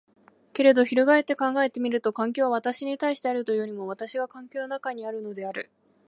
けれど翻って考えてみると、環境は私に対してあるというよりも私が環境の中にあるのである。